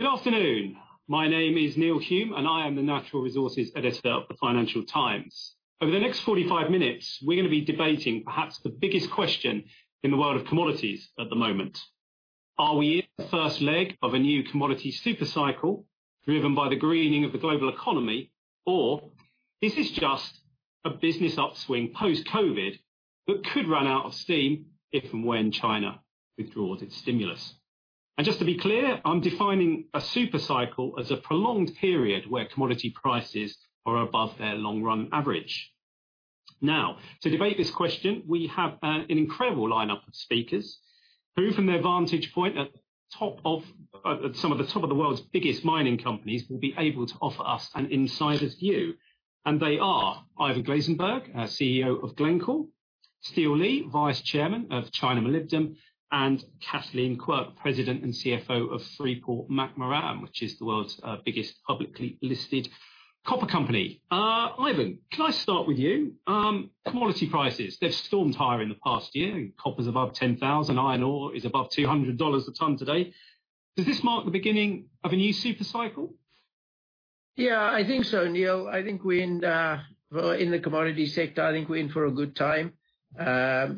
Good afternoon. My name is Neil Hume, I am the Natural Resources Editor of the Financial Times. Over the next 45 minutes, we're going to be debating perhaps the biggest question in the world of commodities at the moment. Are we in the first leg of a new commodity super cycle driven by the greening of the global economy, or is this just a business upswing post-COVID that could run out of steam if and when China withdraws its stimulus? Just to be clear, I'm defining a super cycle as a prolonged period where commodity prices are above their long-run average. Now, to debate this question, we have an incredible lineup of speakers who, from their vantage point at some of the top of the world's biggest mining companies, will be able to offer us an insider's view. They are Ivan Glasenberg, CEO of Glencore, Steele Li, Vice Chairman of China Molybdenum, and Kathleen Quirk, President and CFO of Freeport-McMoRan, which is the world's biggest publicly listed copper company. Ivan, can I start with you? Commodity prices, they've stormed higher in the past year. Copper's above $10,000. Iron ore is above $200 a ton today. Does this mark the beginning of a new super cycle? Yeah, I think so, Neil. I think we're in the commodity sector. I think we're in for a good time.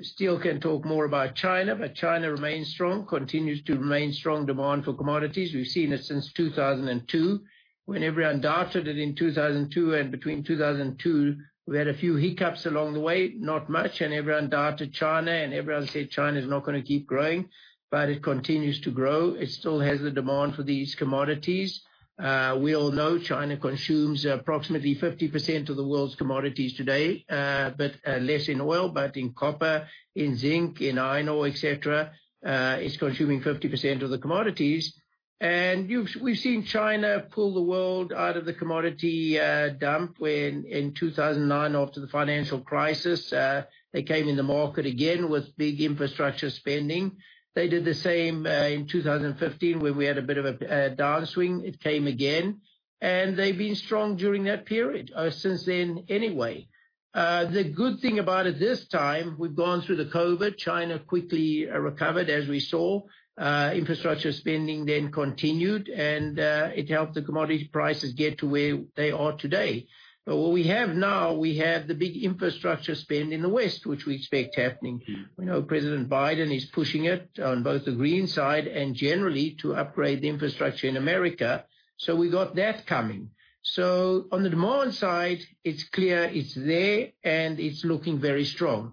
Steele can talk more about China. China remains strong, continues to remain strong demand for commodities. We've seen it since 2002 when everyone doubted it in 2002. Between 2002, we had a few hiccups along the way, not much. Everyone doubted China. Everyone said China is not going to keep growing. It continues to grow. It still has the demand for these commodities. We all know China consumes approximately 50% of the world's commodities today, but less in oil, but in copper, in zinc, in iron ore, et cetera, it's consuming 50% of the commodities. We've seen China pull the world out of the commodity dump when in 2009, after the financial crisis, they came in the market again with big infrastructure spending. They did the same in 2015 when we had a bit of a downswing. It came again. They've been strong during that period, since then anyway. The good thing about it this time, we've gone through the COVID. China quickly recovered, as we saw. Infrastructure spending then continued, and it helped the commodity prices get to where they are today. What we have now, we have the big infrastructure spend in the West, which we expect happening. We know President Biden is pushing it on both the green side and generally to upgrade the infrastructure in America. We got that coming. On the demand side, it's clear, it's there, and it's looking very strong.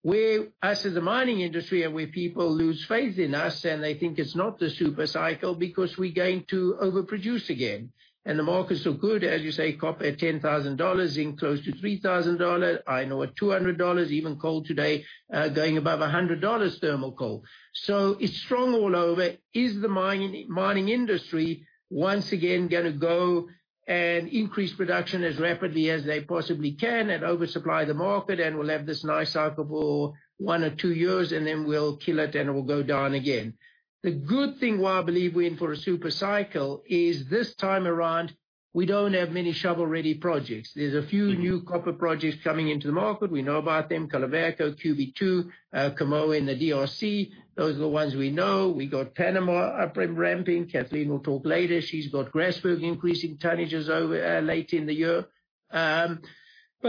Where us as a mining industry and where people lose faith in us, and they think it's not the super cycle because we're going to overproduce again. The markets are good, as you say, copper at $10,000, zinc close to $3,000, iron ore at $200, even coal today going above $100, thermal coal. It's strong all over. Is the mining industry once again going to go and increase production as rapidly as they possibly can and oversupply the market, and we'll have this nice cycle for one or two years, and then we'll kill it, and it will go down again? The good thing why I believe we're in for a super cycle is this time around, we don't have many shovel-ready projects. There's a few new copper projects coming into the market. We know about them. Quellaveco, QB2, Kamoa in the DRC. Those are the ones we know. We got Panama up and ramping. Kathleen will talk later. She's got Grasberg increasing tonnages over late in the year.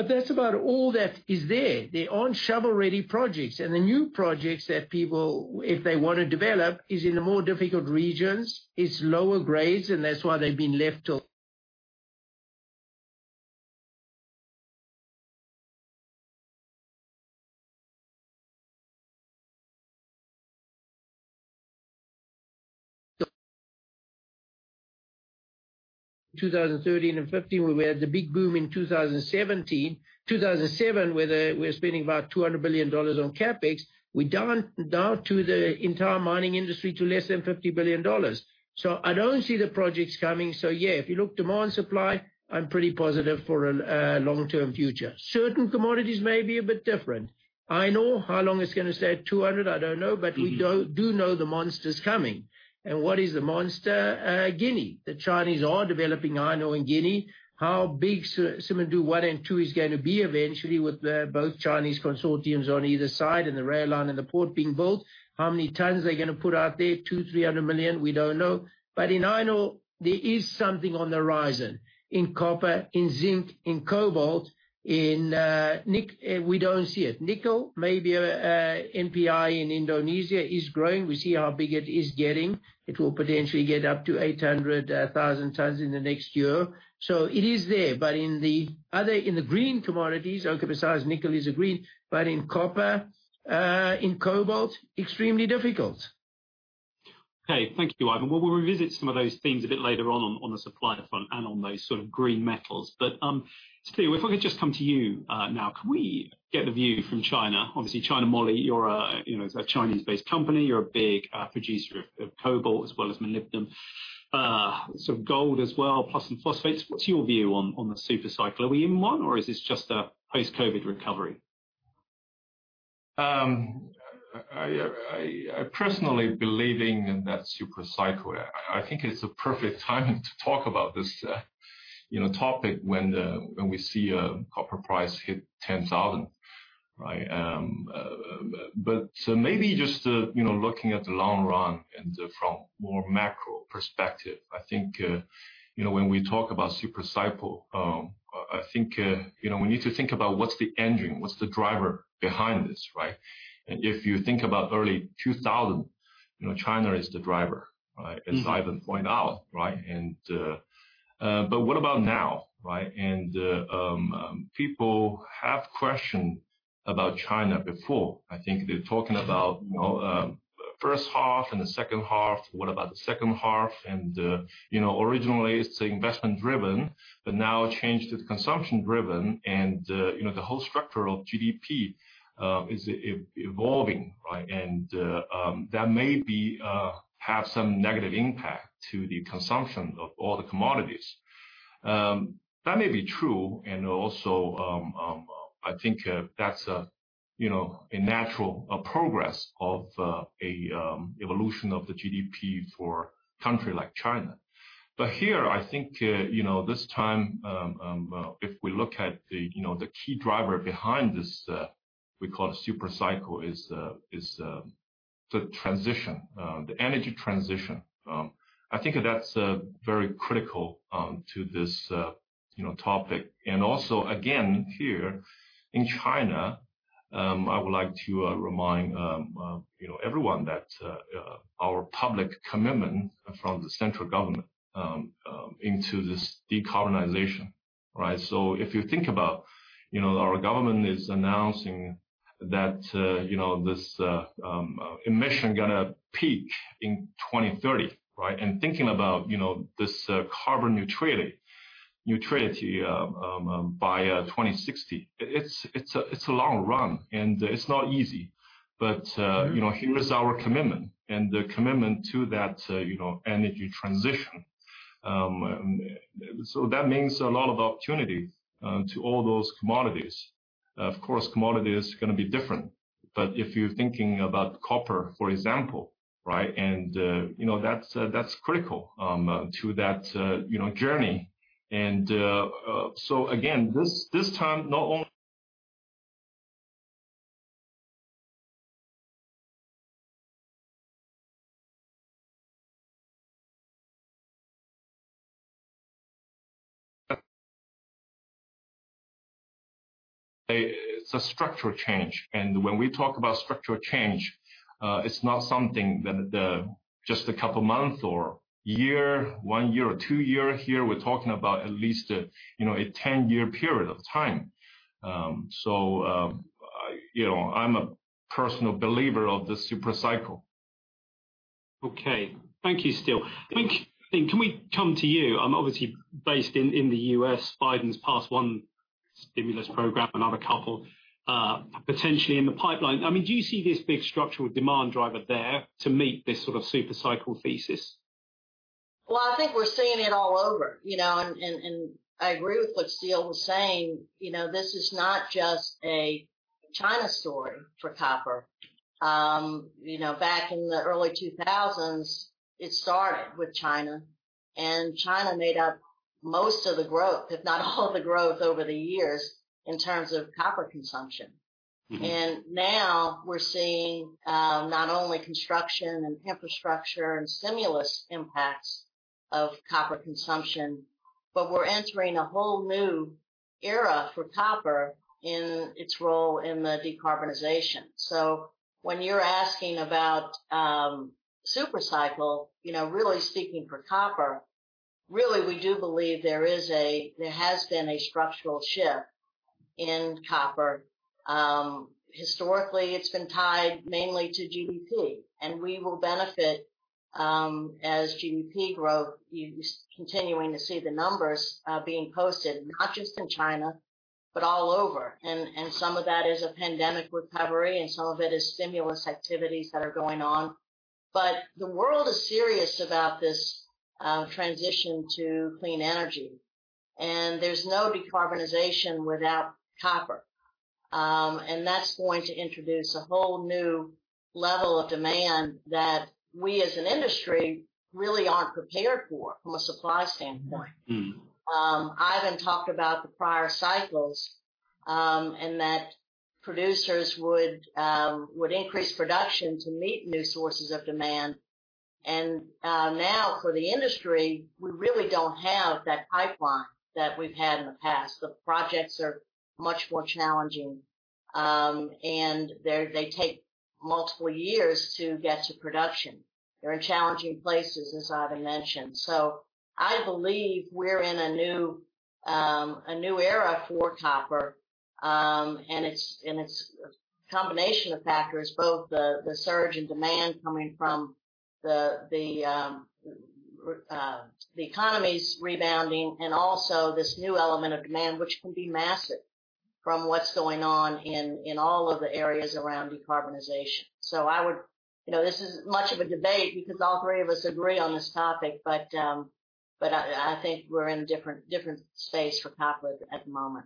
That's about all that is there. There aren't shovel-ready projects. The new projects that people, if they want to develop, is in the more difficult regions, it's lower grades, and that's why they've been left till 2013 and 2015. We had the big boom in 2007, where we're spending about $200 billion on CapEx. We're down to the entire mining industry to less than $50 billion. I don't see the projects coming. Yeah, if you look demand, supply, I'm pretty positive for a long-term future. Certain commodities may be a bit different. Iron ore, how long it's going to stay at $200, I don't know, we do know the monster's coming. What is the monster? Guinea. The Chinese are developing iron ore in Guinea. How big Simandou one and two is going to be eventually with both Chinese consortiums on either side and the rail line and the port being built. How many tons are they going to put out there? 200 million-300 million, we don't know. But in iron ore, there is something on the horizon. In copper, in zinc, in cobalt, we don't see it. Nickel, maybe NPI in Indonesia is growing. We see how big it is getting. It will potentially get up to 800,000 tons in the next year. So it is there. But in the green commodities, okay, besides nickel is a green, but in copper, in cobalt, extremely difficult. Okay. Thank you, Ivan. We'll revisit some of those themes a bit later on the supply front and on those sort of green metals. Steele, if I could just come to you now. Can we get the view from China? Obviously, China Moly, you're a Chinese-based company. You're a big producer of cobalt as well as molybdenum, sort of gold as well, plus some phosphates. What's your view on the super cycle? Are we in one, or is this just a post-COVID recovery? I personally believe in that super cycle. I think it's a perfect timing to talk about this topic when we see copper price hit $10,000. Maybe just looking at the long run and from more macro perspective, I think when we talk about super cycle, I think we need to think about what's the engine, what's the driver behind this, right? If you think about early 2000, China is the driver, as Ivan point out. What about now? People have questioned about China before. I think they're talking about first half and the second half. What about the second half? Originally it's investment driven, but now change to consumption driven and the whole structure of GDP is evolving. That may have some negative impact to the consumption of all the commodities. That may be true, and also, I think that's a natural progress of a evolution of the GDP for country like China. Here, I think this time, if we look at the key driver behind this, we call it super cycle, is the transition, the energy transition. I think that's very critical to this topic. Also again, here in China, I would like to remind everyone that our public commitment from the central government into this decarbonization. If you think about our government is announcing that this emission going to peak in 2030, and thinking about this carbon neutrality by 2060. It's a long run, and it's not easy, but here is our commitment and the commitment to that energy transition. That means a lot of opportunity to all those commodities. Of course, commodities are going to be different. If you're thinking about copper, for example, that's critical to that journey. Again, this time, not only it's a structural change. When we talk about structural change, it's not something that just a couple month or year, one year or two year here, we're talking about at least a 10-year period of time. I'm a personal believer of the super cycle. Okay. Thank you, Steele. I think, can we come to you? Obviously based in the U.S., Biden's passed one stimulus program, another couple potentially in the pipeline. Do you see this big structural demand driver there to meet this sort of super cycle thesis? I think we're seeing it all over, and I agree with what Steele Li was saying. This is not just a China story for copper. Back in the early 2000s, it started with China, and China made up most of the growth, if not all of the growth over the years in terms of copper consumption. Now we're seeing not only construction and infrastructure and stimulus impacts of copper consumption, but we're entering a whole new era for copper in its role in the decarbonization. When you're asking about super cycle, really speaking for copper, really, we do believe there has been a structural shift in copper. Historically, it's been tied mainly to GDP, and we will benefit as GDP growth continues, continuing to see the numbers being posted, not just in China, but all over. Some of that is a pandemic recovery, and some of it is stimulus activities that are going on. The world is serious about this transition to clean energy, and there's no decarbonization without copper. That's going to introduce a whole new level of demand that we, as an industry, really aren't prepared for from a supply standpoint. Ivan talked about the prior cycles, and that producers would increase production to meet new sources of demand. Now for the industry, we really don't have that pipeline that we've had in the past. The projects are much more challenging, and they take multiple years to get to production. They're in challenging places, as Ivan mentioned. I believe we're in a new era for copper, and it's a combination of factors, both the surge in demand coming from the economies rebounding and also this new element of demand which can be massive from what's going on in all of the areas around decarbonization. This isn't much of a debate because all three of us agree on this topic, but I think we're in a different space for copper at the moment.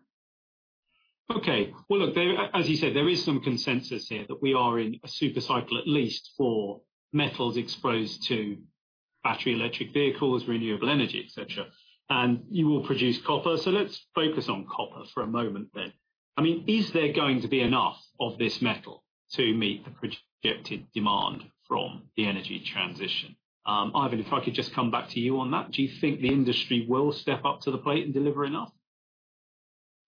Okay. Well, look, as you said, there is some consensus here that we are in a super cycle, at least for metals exposed to battery electric vehicles, renewable energy, et cetera. You all produce copper, let's focus on copper for a moment. Is there going to be enough of this metal to meet the projected demand from the energy transition? Ivan, if I could just come back to you on that, do you think the industry will step up to the plate and deliver enough?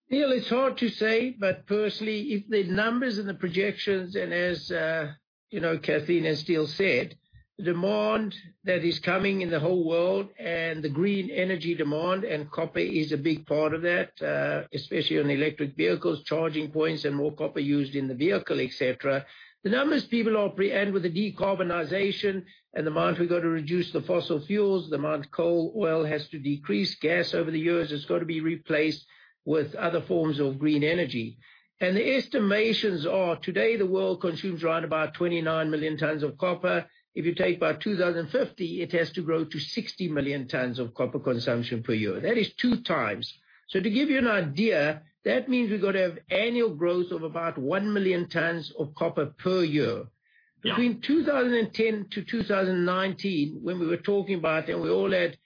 It's hard to say, but personally, if the numbers and the projections and as Kathleen and Steele said, the demand that is coming in the whole world and the green energy demand, and copper is a big part of that, especially on electric vehicles, charging points, and more copper used in the vehicle, et cetera. The numbers people are and with the decarbonization and the amount we've got to reduce the fossil fuels, the amount coal, oil has to decrease, gas over the years has got to be replaced with other forms of green energy. The estimations are today the world consumes around about 29 million tons of copper. If you take by 2050, it has to grow to 60 million tons of copper consumption per year. That is two times. To give you an idea, that means we've got to have annual growth of about 1 million tons of copper per year. Yeah. Between 2010 to 2019, when we were talking about it and we all had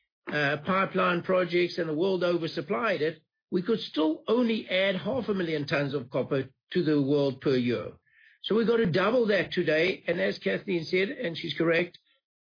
pipeline projects and the world oversupplied it, we could still only add half a million tons of copper to the world per year. We've got to double that today, and as Kathleen said, and she's correct,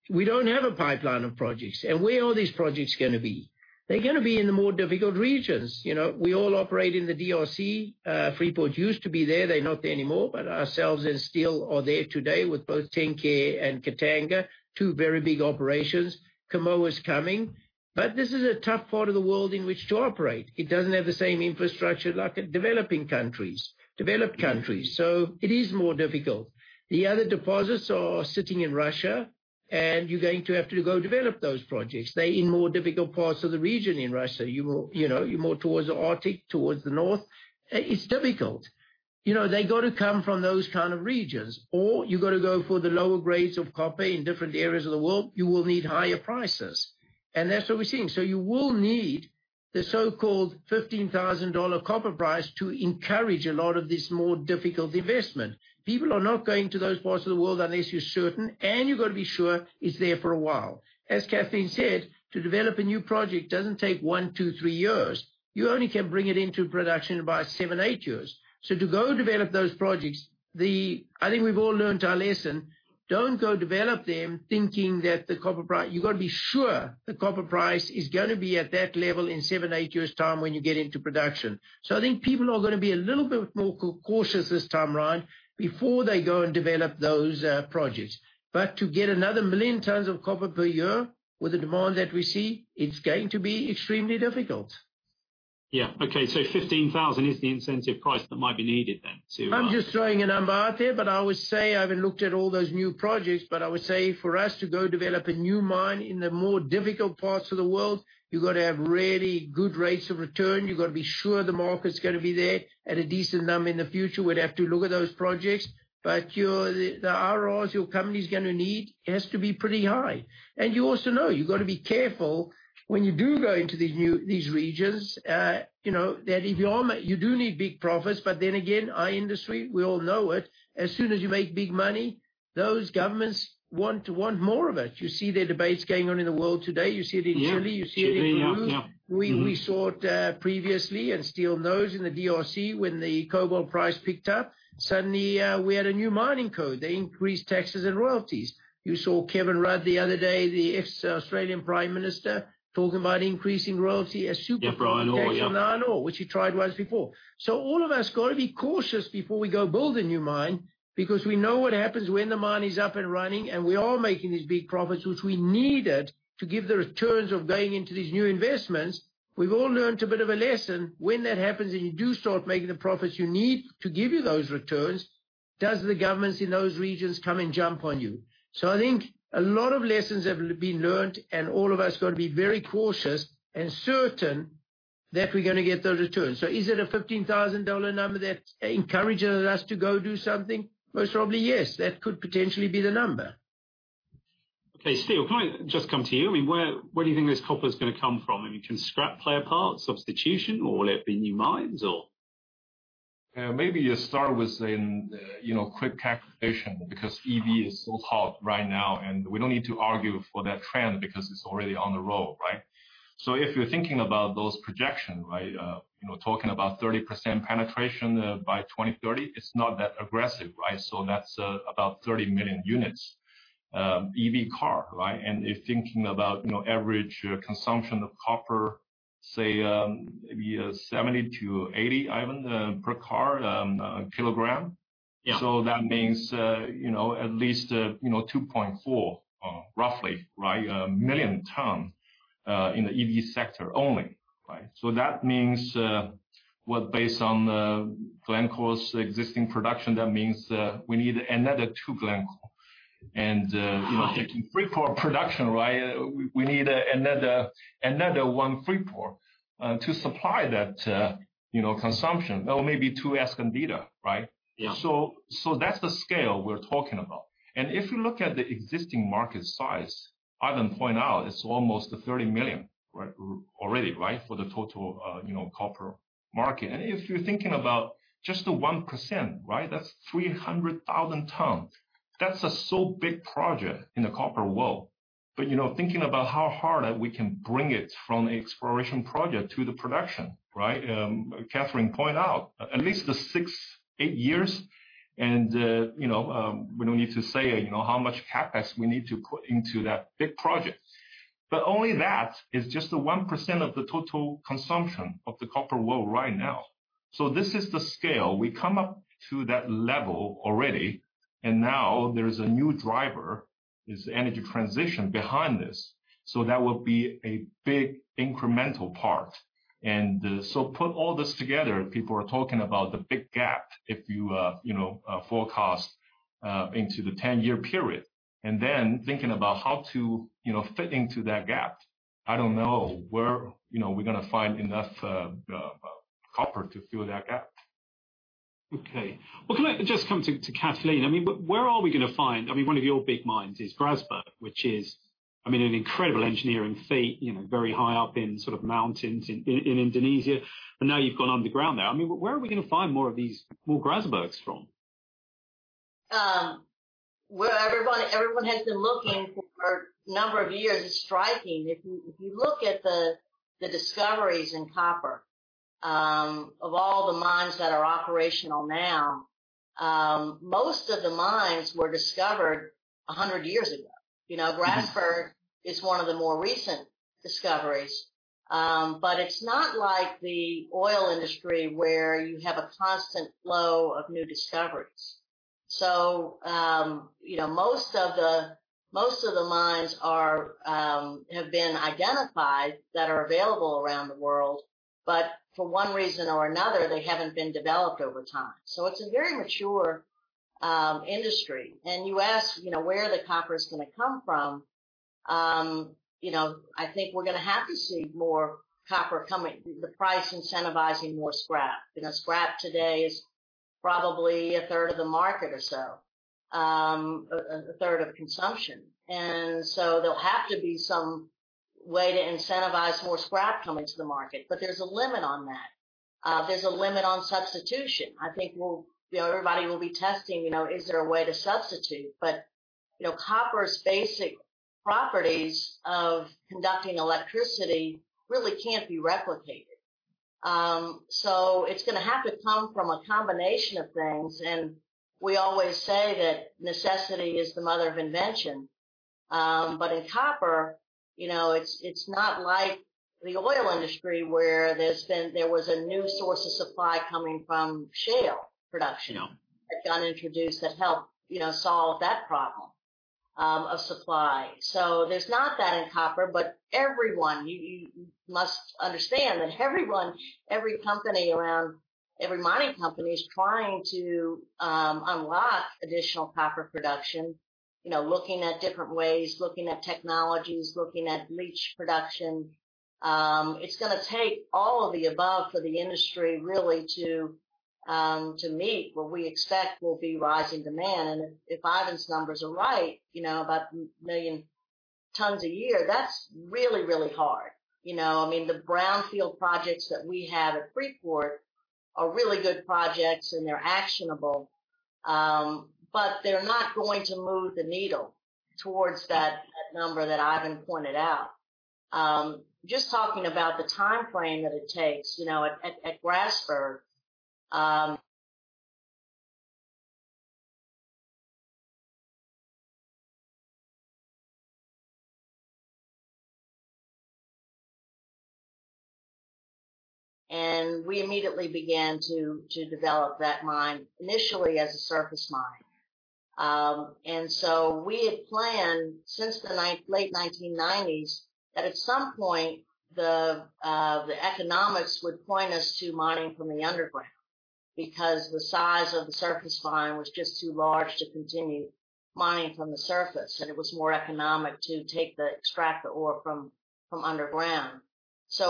we don't have a pipeline of projects. Where are these projects going to be? They're going to be in the more difficult regions. We all operate in the DRC. Freeport used to be there. They're not there anymore. Ourselves and Steele are there today with both Tenke and Katanga, two very big operations. Kamoa is coming. This is a tough part of the world in which to operate. It doesn't have the same infrastructure like developed countries, it is more difficult. The other deposits are sitting in Russia. You're going to have to go develop those projects. They're in more difficult parts of the region in Russia. You're more towards the Arctic, towards the north. It's difficult. They got to come from those kind of regions, you got to go for the lower grades of copper in different areas of the world. You will need higher prices. That's what we're seeing. You will need the so-called $15,000 copper price to encourage a lot of this more difficult investment. People are not going to those parts of the world unless you're certain. You've got to be sure it's there for a while. As Kathleen said, to develop a new project doesn't take one, two, three years. You only can bring it into production about seven, eight years. To go develop those projects, I think we've all learned our lesson. Don't go develop them thinking that the copper price. You got to be sure the copper price is going to be at that level in seven, eight years' time when you get into production. I think people are going to be a little bit more cautious this time around before they go and develop those projects. To get another 1 million tons of copper per year with the demand that we see, it's going to be extremely difficult. Yeah. Okay. $15,000 is the incentive price that might be needed then to- I'm just throwing a number out there, but I would say I haven't looked at all those new projects. I would say for us to go develop a new mine in the more difficult parts of the world, you got to have really good rates of return. You got to be sure the market's going to be there at a decent number in the future. We'd have to look at those projects. The ROIs your company's going to need has to be pretty high. You also know you got to be careful when you do go into these regions, that you do need big profits, but then again, our industry, we all know it, as soon as you make big money, those governments want more of it. You see the debates going on in the world today. You see it in Chile. Yeah. Chile, yeah. You see it in Peru. We saw it previously, and Steele knows in the DRC, when the cobalt price picked up, suddenly we had a new mining code. They increased taxes and royalties. You saw Kevin Rudd the other day, the ex-Australian prime minister, talking about increasing royalty as super. Yeah, for iron ore, yeah tax on iron ore, which he tried once before. All of us got to be cautious before we go build a new mine because we know what happens when the mine is up and running and we are making these big profits, which we needed to give the returns of going into these new investments. We've all learned a bit of a lesson. When that happens and you do start making the profits you need to give you those returns, does the governments in those regions come and jump on you? I think a lot of lessons have been learned, and all of us got to be very cautious and certain that we're going to get those returns. Is it a $15,000 number that encourages us to go do something? Most probably, yes. That could potentially be the number. Okay. Steele, can I just come to you? Where do you think this copper is going to come from? Can scrap play a part, substitution, or will it be new mines or? Maybe you start with saying the quick calculation, because EV is so hot right now, and we don't need to argue for that trend because it's already on the road, right? If you're thinking about those projection, right, talking about 30% penetration by 2030, it's not that aggressive. That's about 30 million units, EV car, right? If thinking about average consumption of copper, say, maybe 70-80, Ivan, per car, kilogram. Yeah. That means at least 2.4, roughly, right, million tons in the EV sector only. That means what based on the Glencore's existing production, that means we need another two Glencore. Wow taking Freeport production, right? We need another one Freeport to supply that consumption, or maybe two Escondida, right? Yeah. That's the scale we're talking about. If you look at the existing market size, Ivan point out it's almost 30 million tons, right? Already, for the total copper market. If you're thinking about just the 1%, right? That's 300,000 ton. That's a so big project in the copper world. Thinking about how hard that we can bring it from exploration project to the production, right? Kathleen Quirk point out, at least the six, eight years and we don't need to say how much CapEx we need to put into that big project. Only that is just the 1% of the total consumption of the copper world right now. This is the scale. We come up to that level already, and now there's a new driver, is energy transition behind this. That would be a big incremental part. Put all this together, people are talking about the big gap if you forecast into the 10-year period. Thinking about how to fit into that gap. I don't know where we're going to find enough copper to fill that gap. Okay. Well, can I just come to Kathleen? Where are we going to find One of your big mines is Grasberg, which is an incredible engineering feat, very high up in mountains in Indonesia. Now you've gone underground there. Where are we going to find more of these, more Grasbergs from? Where everyone has been looking for a number of years. It's striking. If you look at the discoveries in copper, of all the mines that are operational now, most of the mines were discovered 100 years ago. Grasberg is one of the more recent discoveries. It's not like the oil industry where you have a constant flow of new discoveries. Most of the mines have been identified that are available around the world, but for one reason or another, they haven't been developed over time. It's a very mature industry. You ask where the copper's going to come from. I think we're going to have to see more copper coming, the price incentivizing more scrap. Scrap today is probably a third of the market or so. A third of consumption. There'll have to be some way to incentivize more scrap coming to the market. There's a limit on that. There's a limit on substitution. I think everybody will be testing, is there a way to substitute? Copper's basic properties of conducting electricity really can't be replicated. It's going to have to come from a combination of things, and we always say that necessity is the mother of invention. In copper, it's not like the oil industry where there was a new source of supply coming from shale production. No that John introduced that helped solve that problem of supply. There's not that in copper, but everyone, you must understand that everyone, every company around, every mining company is trying to unlock additional copper production. Looking at different ways, looking at technologies, looking at leach production. It's going to take all of the above for the industry really to meet what we expect will be rising demand. If Ivan's numbers are right, about one million tons a year, that's really, really hard. The brownfield projects that we have at Freeport are really good projects, and they're actionable. They're not going to move the needle towards that number that Ivan pointed out. Just talking about the timeframe that it takes. At Grasberg, we immediately began to develop that mine, initially as a surface mine. We had planned since the late 1990s that at some point, the economics would point us to mining from the underground, because the size of the surface mine was just too large to continue mining from the surface, and it was more economic to extract the ore from underground.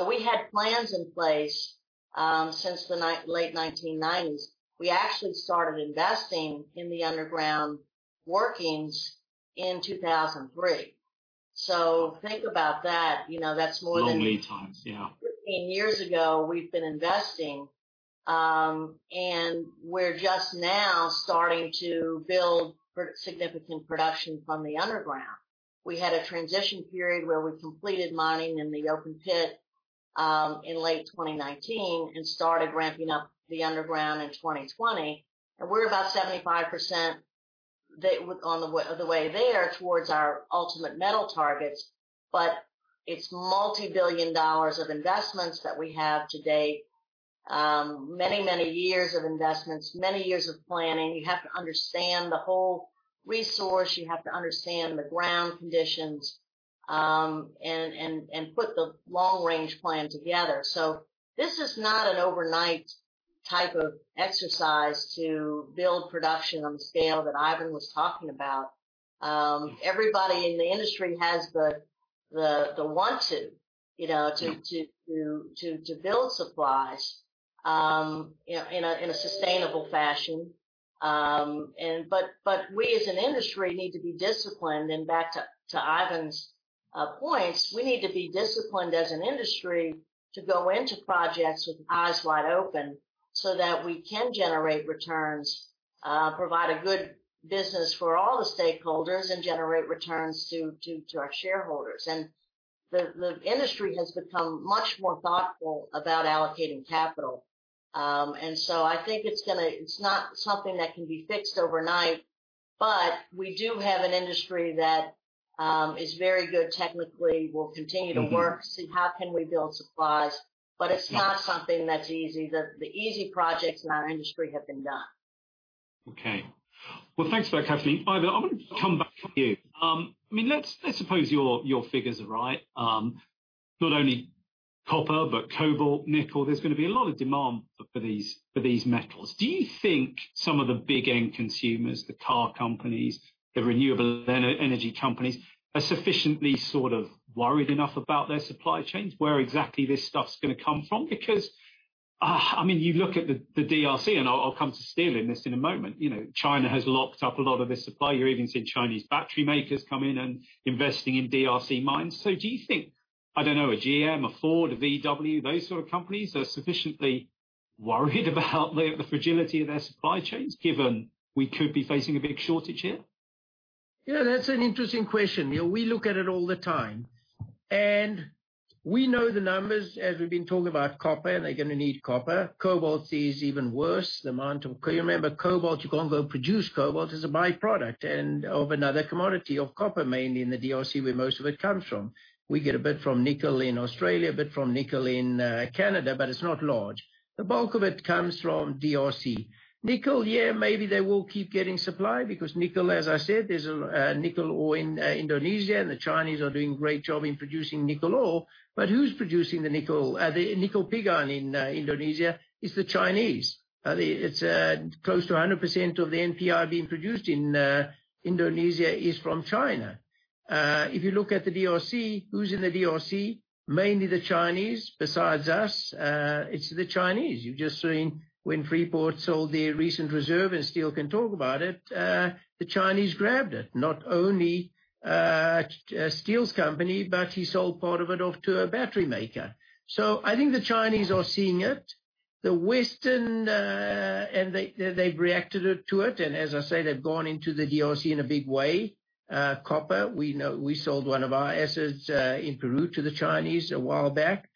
We had plans in place, since the late 1990s. We actually started investing in the underground workings in 2003. Think about that's more than- Long lead times, yeah. 15 years ago, we've been investing. We're just now starting to build significant production from the underground. We had a transition period where we completed mining in the open pit, in late 2019, and started ramping up the underground in 2020. We're about 75% of the way there towards our ultimate metal targets, but it's multi-billion dollars of investments that we have to date. Many, many years of investments, many years of planning. You have to understand the whole resource. You have to understand the ground conditions. Put the long-range plan together. This is not an overnight type of exercise to build production on the scale that Ivan was talking about. Everybody in the industry has the want to build supplies in a sustainable fashion. We as an industry need to be disciplined. Back to Ivan's points, we need to be disciplined as an industry to go into projects with eyes wide open so that we can generate returns, provide a good business for all the stakeholders, and generate returns to our shareholders. The industry has become much more thoughtful about allocating capital. I think it's not something that can be fixed overnight, but we do have an industry that is very good technically. see how can we build supplies. It's not something that's easy. The easy projects in our industry have been done. Okay. Well, thanks for that, Kathleen. Ivan, I want to come back to you. Let's suppose your figures are right. Not only copper, but cobalt, nickel, there's going to be a lot of demand for these metals. Do you think some of the big end consumers, the car companies, the renewable energy companies, are sufficiently sort of worried enough about their supply chains, where exactly this stuff's going to come from? You look at the DRC, and I'll come to Steele in this in a moment. China has locked up a lot of this supply. You're even seeing Chinese battery makers come in and investing in DRC mines. Do you think, I don't know, a GM, a Ford, a VW, those sort of companies, are sufficiently worried about the fragility of their supply chains, given we could be facing a big shortage here? Yeah, that's an interesting question. We look at it all the time, and we know the numbers. As we've been talking about copper, they're going to need copper. Cobalt is even worse. The amount of You remember, cobalt, you can't go produce cobalt. It's a byproduct of another commodity, of copper mainly in the DRC, where most of it comes from. We get a bit from nickel in Australia, a bit from nickel in Canada, but it's not large. The bulk of it comes from DRC. Nickel, yeah, maybe they will keep getting supply because nickel, as I said, there's nickel ore in Indonesia, and the Chinese are doing a great job in producing nickel ore. Who's producing the nickel pig iron in Indonesia? It's the Chinese. It's close to 100% of the NPI being produced in Indonesia is from China. If you look at the D.R.C., who's in the D.R.C.? Mainly the Chinese. Besides us, it's the Chinese. You've just seen when Freeport sold their recent reserve, and Steele can talk about it, the Chinese grabbed it. Not only Steele's company, but he sold part of it off to a battery maker. I think the Chinese are seeing it. They've reacted to it, and as I say, they've gone into the D.R.C. in a big way. Copper, we sold one of our assets in Peru to the Chinese a while back.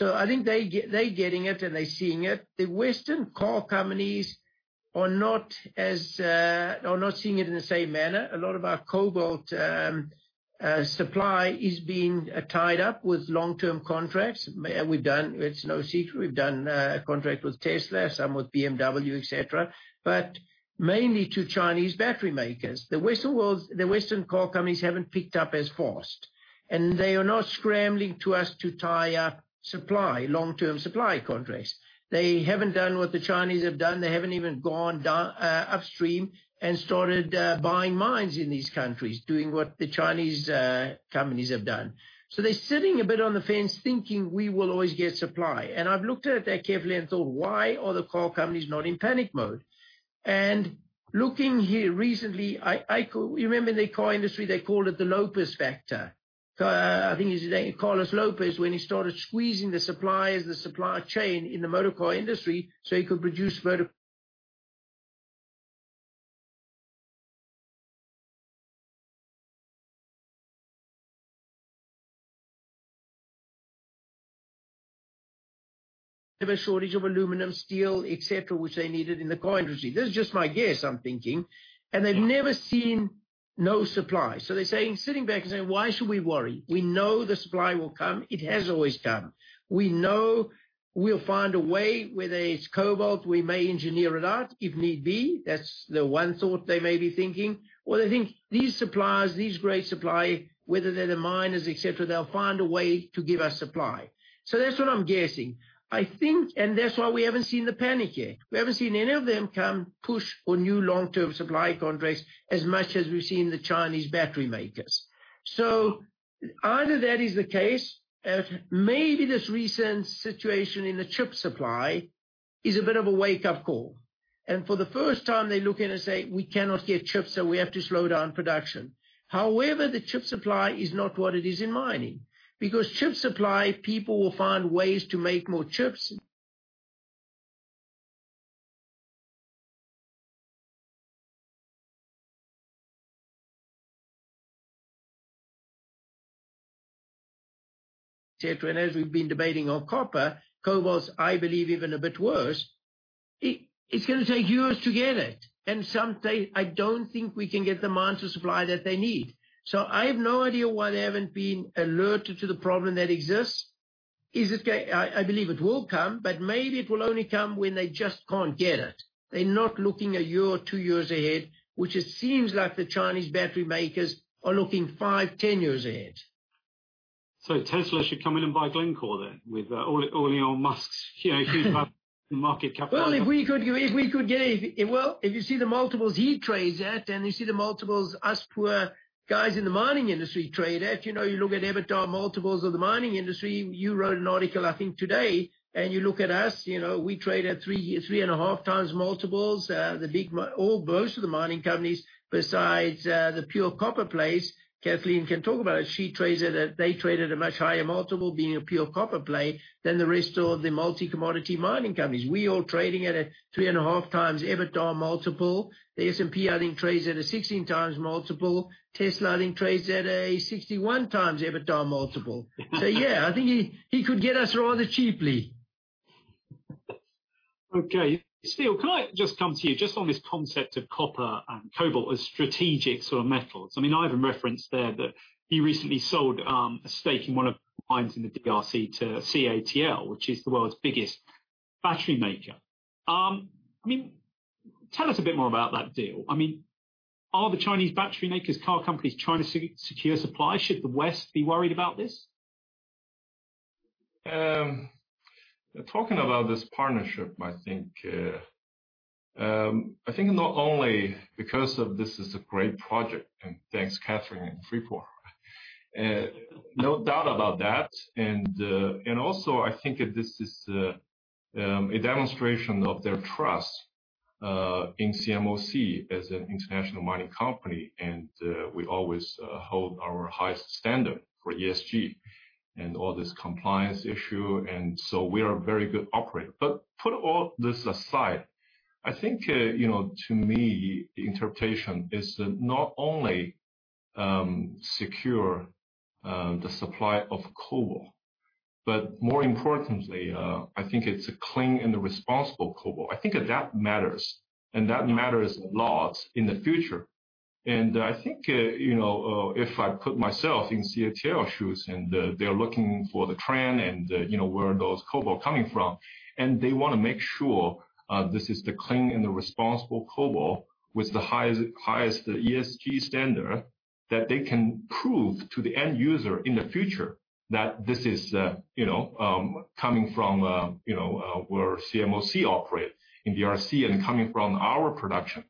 I think they getting it and they seeing it. The Western car companies are not seeing it in the same manner. A lot of our cobalt supply is being tied up with long-term contracts. It's no secret we've done a contract with Tesla, some with BMW, et cetera, but mainly to Chinese battery makers. The Western car companies haven't picked up as fast, and they are not scrambling to us to tie up supply, long-term supply contracts. They haven't done what the Chinese have done. They haven't even gone upstream and started buying mines in these countries, doing what the Chinese companies have done. They're sitting a bit on the fence thinking we will always get supply. I've looked at it carefully and thought, "Why are the car companies not in panic mode?" Looking here recently, you remember in the car industry, they called it the Lopez factor. I think his name, José Ignacio López, when he started squeezing the suppliers, the supply chain in the motor car industry so he could produce Have a shortage of aluminum, steel, et cetera, which they needed in the car industry. This is just my guess, I'm thinking. They've never seen no supply. They're sitting back and saying, "Why should we worry? We know the supply will come. It has always come. We know we'll find a way, whether it's cobalt, we may engineer it out if need be." That's the one thought they may be thinking. They think these suppliers, these great supply, whether they're the miners, et cetera, they'll find a way to give us supply. That's what I'm guessing. I think, that's why we haven't seen the panic yet. We haven't seen any of them come push for new long-term supply contracts as much as we've seen the Chinese battery makers. Either that is the case or maybe this recent situation in the chip supply is a bit of a wake-up call, and for the first time, they're looking and say, "We cannot get chips, so we have to slow down production." However, the chip supply is not what it is in mining, because chip supply, people will find ways to make more chips. As we've been debating on copper, cobalt, I believe even a bit worse. It's going to take years to get it, and some say I don't think we can get the amount of supply that they need. I have no idea why they haven't been alerted to the problem that exists. I believe it will come, but maybe it will only come when they just can't get it. They're not looking a year or two years ahead, which it seems like the Chinese battery makers are looking five, 10 years ahead. Tesla should come in and buy Glencore then with all Elon Musk's huge market capitalization. Well, if you see the multiples he trades at, and you see the multiples us poor guys in the mining industry trade at. You look at EBITDA multiples of the mining industry. You wrote an article, I think, today, and you look at us, we trade at three and a half times multiples. Most of the mining companies besides the pure copper plays, Kathleen can talk about it, they trade at a much higher multiple being a pure copper play than the rest of the multi-commodity mining companies. We all trading at a three and a half times EBITDA multiple. The S&P, I think, trades at a 16 times multiple. Tesla, I think, trades at a 61 times EBITDA multiple. Yeah, I think he could get us rather cheaply. Okay. Steele Li, can I just come to you just on this concept of copper and cobalt as strategic sort of metals? Ivan Glasenberg referenced there that he recently sold a stake in one of mines in the DRC to CATL, which is the world's biggest battery maker. Tell us a bit more about that deal. Are the Chinese battery makers, car companies, trying to secure supply? Should the West be worried about this? Talking about this partnership, I think not only because of this is a great project, and thanks, Kathleen and Freeport. No doubt about that. Also, I think that this is a demonstration of their trust, in CMOC as an international mining company, and we always hold our highest standard for ESG and all this compliance issue. We are a very good operator. Put all this aside, I think, to me, the interpretation is to not only secure the supply of cobalt, but more importantly, I think it's a clean and a responsible cobalt. I think that matters, and that matters a lot in the future. I think, if I put myself in CATL shoes and they're looking for the trend and where those cobalt coming from, and they want to make sure this is the clean and the responsible cobalt with the highest ESG standard, that they can prove to the end user in the future that this is coming from where CMOC operate in DRC and coming from our production.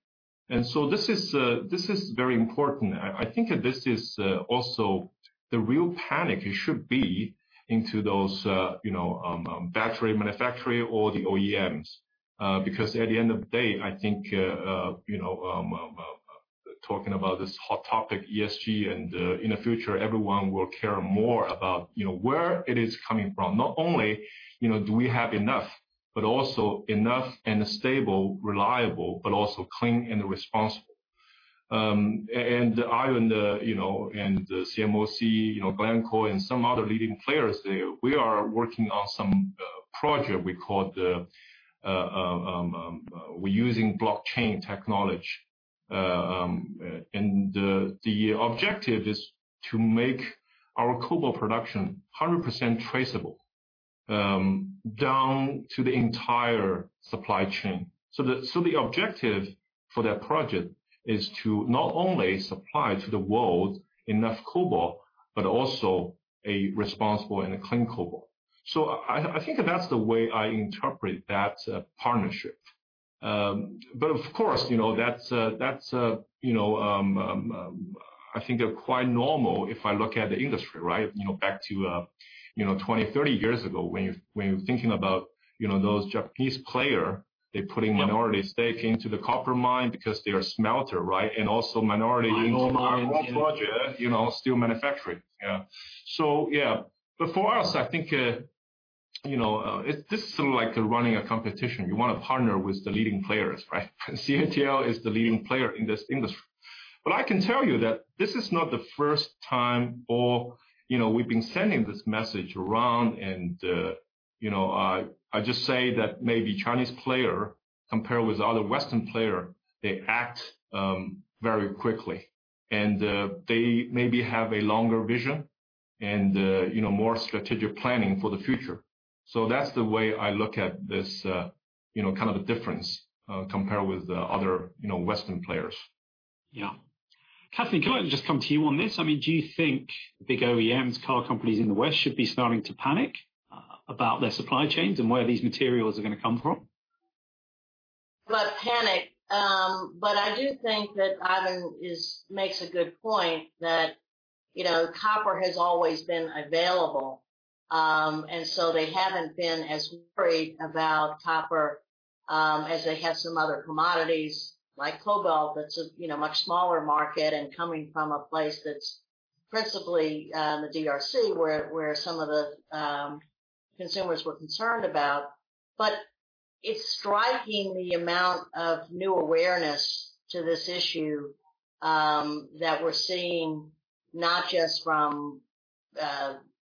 This is very important. I think that this is also the real panic it should be into those battery manufacturer or the OEMs. At the end of the day, I think, talking about this hot topic, ESG, and in the future, everyone will care more about where it is coming from. Not only do we have enough, but also enough and stable, reliable, but also clean and responsible. Ivan, CMOC, Glencore and some other leading players there, we are working on some project. We're using blockchain technology. The objective is to make our cobalt production 100% traceable, down to the entire supply chain. The objective for that project is to not only supply to the world enough cobalt, but also a responsible and a clean cobalt. I think that's the way I interpret that partnership. Of course, that's I think quite normal if I look at the industry, right? Back to 20, 30 years ago, when you're thinking about those Japanese player, they putting minority stake into the copper mine because they are smelter, right? Mining or mining in our raw project, steel manufacturing. Yeah. Yeah. For us, I think, this is sort of like running a competition. You want to partner with the leading players, right? CATL is the leading player in this industry. I can tell you that this is not the first time, or we've been sending this message around and I just say that maybe Chinese player compare with other Western player, they act very quickly. They maybe have a longer vision and more strategic planning for the future. That's the way I look at this kind of a difference compared with the other Western players. Yeah. Kathleen, can I just come to you on this? Do you think big OEMs, car companies in the West should be starting to panic about their supply chains and where these materials are going to come from? About panic, but I do think that Ivan makes a good point that copper has always been available. And so they haven't been as worried about copper, as they have some other commodities like cobalt, that's a much smaller market and coming from a place that's principally, the DRC, where some of the consumers were concerned about. It's striking the amount of new awareness to this issue, that we're seeing not just from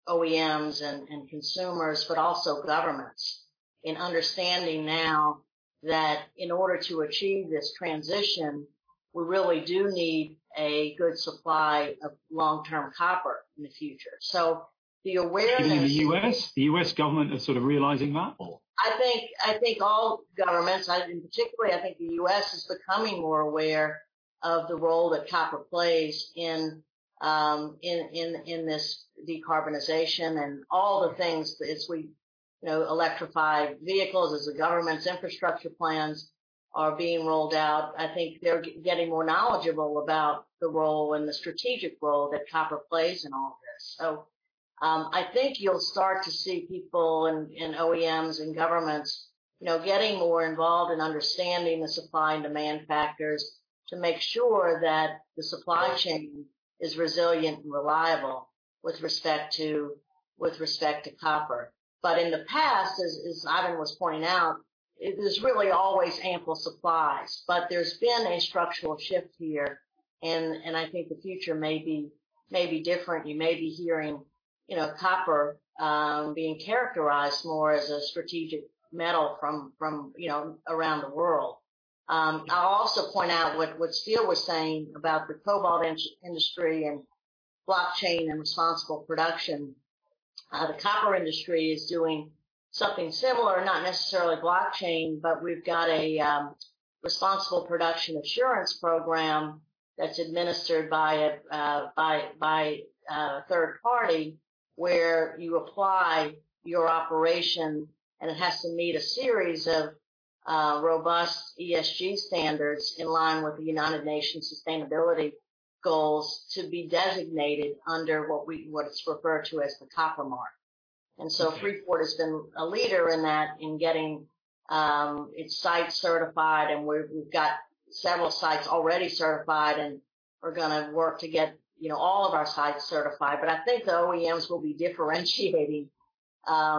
OEMs and consumers, but also governments in understanding now that in order to achieve this transition, we really do need a good supply of long-term copper in the future. So the awareness- In the U.S.? The U.S. government is sort of realizing that, or? I think all governments, Ivan, particularly, I think the U.S. is becoming more aware of the role that copper plays in this decarbonization and all the things as we electrify vehicles, as the government's infrastructure plans are being rolled out. I think they're getting more knowledgeable about the role and the strategic role that copper plays in all of this. I think you'll start to see people and OEMs and governments getting more involved in understanding the supply and demand factors to make sure that the supply chain is resilient and reliable with respect to copper. In the past, as Ivan was pointing out, there's really always ample supplies, but there's been a structural shift here, and I think the future may be different. You may be hearing copper being characterized more as a strategic metal from around the world. I'll also point out what Steele was saying about the cobalt industry and blockchain and responsible production. The copper industry is doing something similar. Not necessarily blockchain, but we've got a responsible production assurance program that's administered by a third party where you apply your operation, and it has to meet a series of robust ESG standards in line with the United Nations sustainability goals to be designated under what is referred to as The Copper Mark. Okay. Freeport has been a leader in that, in getting its site certified, and we've got several sites already certified, and we're going to work to get all of our sites certified. I think the OEMs will be differentiating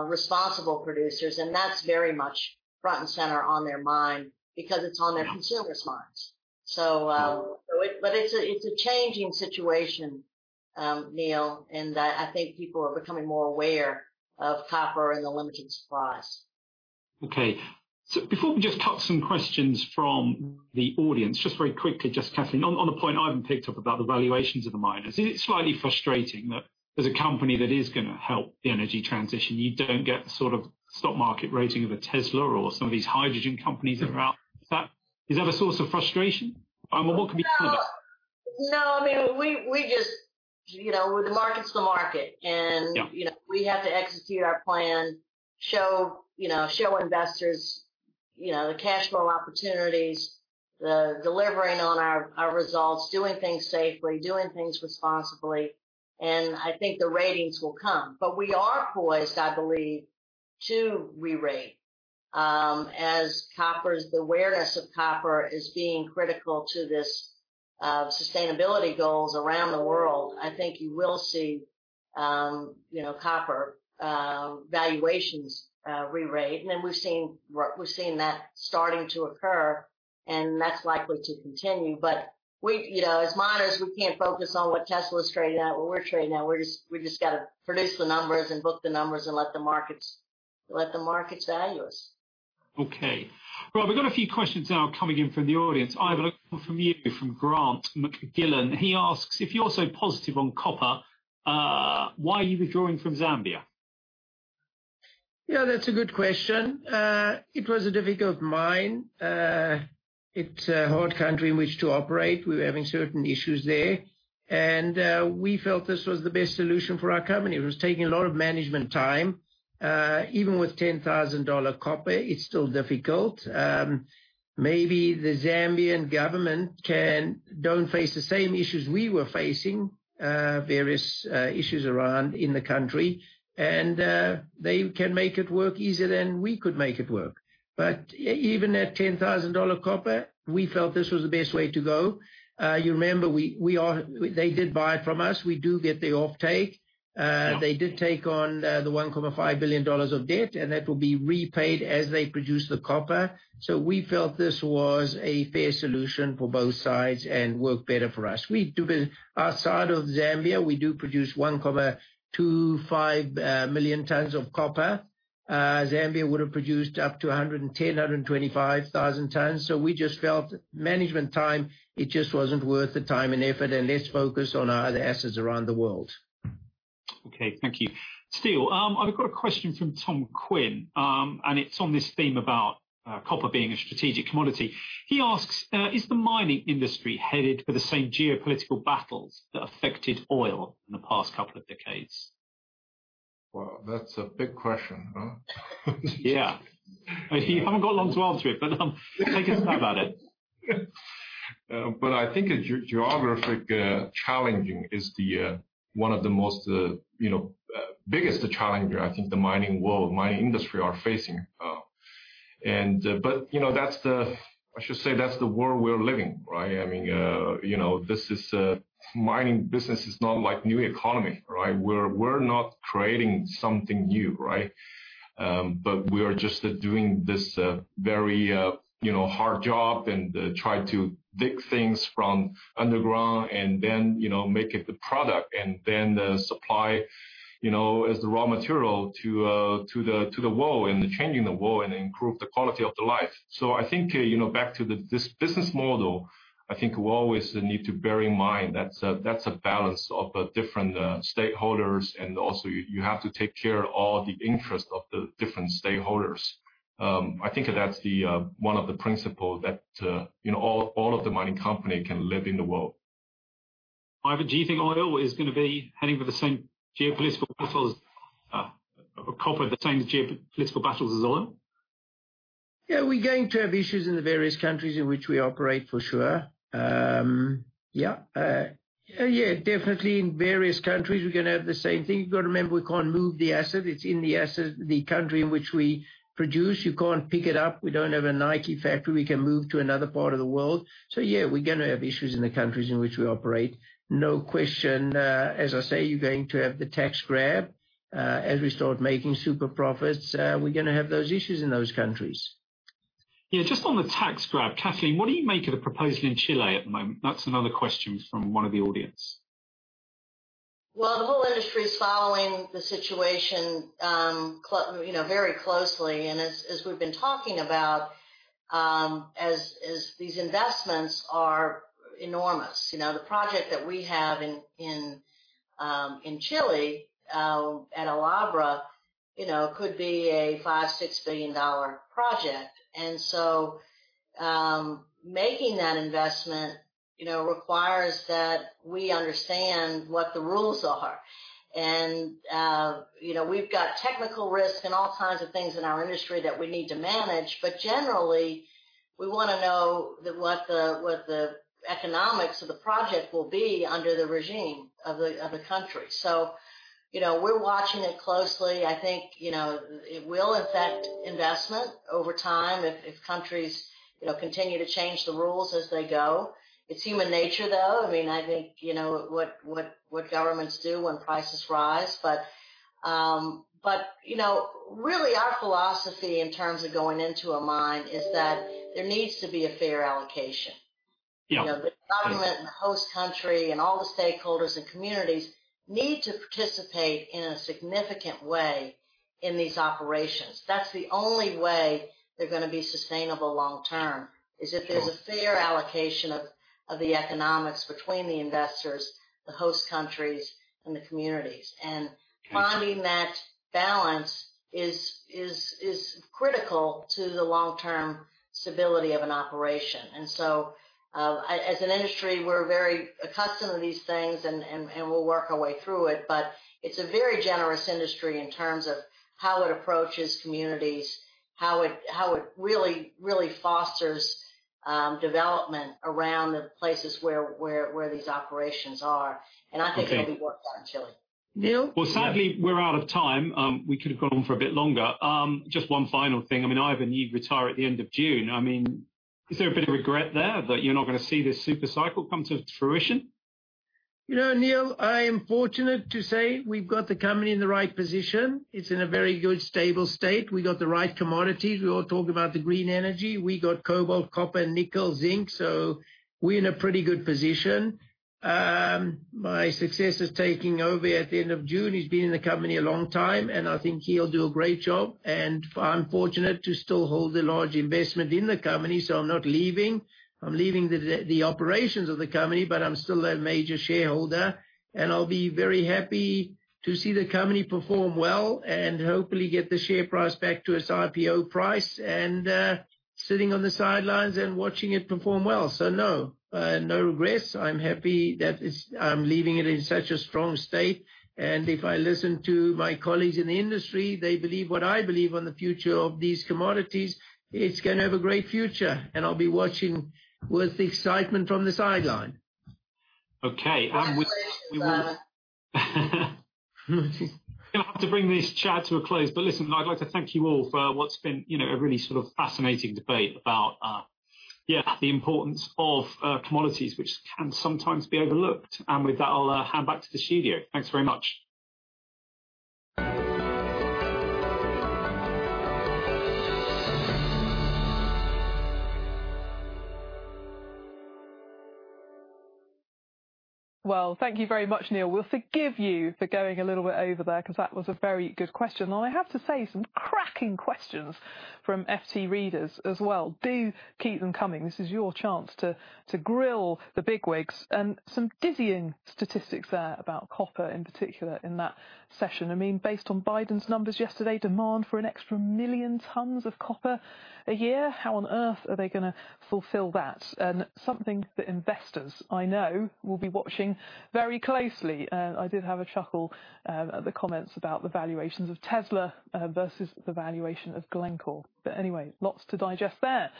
responsible producers, and that's very much front and center on their mind because it's on their consumers' minds. It's a changing situation, Neil, in that I think people are becoming more aware of copper and the limited supplies. Okay. Before we just take some questions from the audience, just very quickly, just Kathleen, on the point Ivan picked up about the valuations of the miners, isn't it slightly frustrating that as a company that is going to help the energy transition, you don't get the sort of stock market rating of a Tesla or some of these hydrogen companies that are out? Is that a source of frustration? What can you? No. I mean, the market's the market. Yeah We have to execute our plan, show investors the cash flow opportunities, the delivering on our results, doing things safely, doing things responsibly, and I think the ratings will come. We are poised, I believe, to re-rate. As the awareness of copper is being critical to this sustainability goals around the world, I think you will see copper valuations re-rate. We've seen that starting to occur, and that's likely to continue. As miners, we can't focus on what Tesla's trading at or we're trading at. We just got to produce the numbers and book the numbers and let the market value us. Okay. Right. We've got a few questions now coming in from the audience. Ivan, I've got one from you, from Grant McGillen. He asks, "If you're so positive on copper, why are you withdrawing from Zambia? Yeah, that's a good question. It was a difficult mine. It's a hard country in which to operate. We were having certain issues there, and we felt this was the best solution for our company. It was taking a lot of management time. Even with $10,000 copper, it's still difficult. Maybe the Zambian government don't face the same issues we were facing, various issues around in the country, and they can make it work easier than we could make it work. Even at $10,000 copper, we felt this was the best way to go. You remember, they did buy it from us. We do get the offtake. Yeah. They did take on the $1.5 billion of debt, and that will be repaid as they produce the copper. We felt this was a fair solution for both sides and work better for us. Outside of Zambia, we do produce 1.25 million tons of copper. Zambia would have produced up to 110,000-125,000 tons. We just felt management time, it just wasn't worth the time and effort and let's focus on our other assets around the world. Okay. Thank you. Steele, I've got a question from Tom Quinn, and it's on this theme about copper being a strategic commodity. He asks, "Is the mining industry headed for the same geopolitical battles that affected oil in the past couple of decades? Well, that's a big question, huh? Yeah. You haven't got long to answer it, but take a stab at it. I think geographic challenging is one of the most biggest challenge I think the mining world, mining industry are facing. I should say that's the world we're living, right? I mean, mining business is not like new economy, right? We're not creating something new, right? We are just doing this very hard job and try to dig things from underground and then make it the product and then supply you know, as the raw material to the world and changing the world and improve the quality of the life. I think, back to this business model, I think we always need to bear in mind that's a balance of different stakeholders and also you have to take care of all the interests of the different stakeholders. I think that's one of the principles that all of the mining company can live in the world. Ivan, do you think copper is going to be having the same geopolitical battles as oil? Yeah, we're going to have issues in the various countries in which we operate, for sure. Yeah. Definitely in various countries, we're going to have the same thing. You've got to remember, we can't move the asset. It's in the country in which we produce. You can't pick it up. We don't have a Nike factory we can move to another part of the world. Yeah, we're going to have issues in the countries in which we operate, no question. As I say, you're going to have the tax grab, as we start making super profits, we're going to have those issues in those countries. Yeah, just on the tax grab, Kathleen, what do you make of the proposal in Chile at the moment? That's another question from one of the audience. Well, the whole industry is following the situation very closely. As we've been talking about, as these investments are enormous. The project that we have in Chile, at El Abra, could be a $5 billion, $6 billion project. So, making that investment requires that we understand what the rules are. We've got technical risk and all kinds of things in our industry that we need to manage, but generally, we want to know what the economics of the project will be under the regime of the country. We're watching it closely. I think it will affect investment over time if countries continue to change the rules as they go. It's human nature, though. I mean, I think what governments do when prices rise. Really our philosophy in terms of going into a mine is that there needs to be a fair allocation. Yeah. The government and the host country and all the stakeholders and communities need to participate in a significant way in these operations. That's the only way they're going to be sustainable long term, is if there's a fair allocation of the economics between the investors, the host countries, and the communities. Finding that balance is critical to the long-term stability of an operation. As an industry, we're very accustomed to these things and we'll work our way through it. It's a very generous industry in terms of how it approaches communities, how it really fosters development around the places where these operations are. Okay. I think it will be worked out in Chile. Neil? Well, sadly, we're out of time. We could have gone on for a bit longer. Just one final thing. I mean, Ivan, you retire at the end of June. I mean, is there a bit of regret there that you're not going to see this super cycle come to fruition? You know, Neil, I am fortunate to say we've got the company in the right position. It's in a very good, stable state. We got the right commodities. We all talk about the green energy. We got cobalt, copper, nickel, zinc, so we're in a pretty good position. My successor's taking over at the end of June. He's been in the company a long time, and I think he'll do a great job. I'm fortunate to still hold a large investment in the company, so I'm not leaving. I'm leaving the operations of the company, but I'm still a major shareholder, and I'll be very happy to see the company perform well and hopefully get the share price back to its IPO price and sitting on the sidelines and watching it perform well. No. No regrets. I'm happy that I'm leaving it in such a strong state. If I listen to my colleagues in the industry, they believe what I believe on the future of these commodities. It's going to have a great future, and I'll be watching with excitement from the sideline. Okay. Congratulations, Ivan. Going to have to bring this chat to a close, but listen, I'd like to thank you all for what's been a really sort of fascinating debate about, yeah, the importance of commodities, which can sometimes be overlooked. With that, I'll hand back to the studio. Thanks very much. Well, thank you very much, Neil. We'll forgive you for going a little bit over there because that was a very good question. I have to say, some cracking questions from FT readers as well. Do keep them coming. This is your chance to grill the bigwigs. Some dizzying statistics there about copper in particular in that session. I mean, based on Biden's numbers yesterday, demand for an extra 1 million tons of copper a year. How on earth are they going to fulfill that? And something that investors, I know, will be watching very closely. I did have a chuckle at the comments about the valuations of Tesla versus the valuation of Glencore. Anyway, lots to digest there.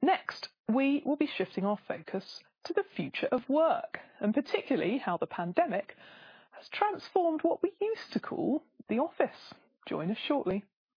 Next, we will be shifting our focus to the future of work, and particularly how the pandemic has transformed what we used to call the office. Join us shortly.